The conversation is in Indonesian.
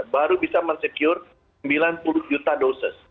baru bisa mensecure sembilan puluh juta dosis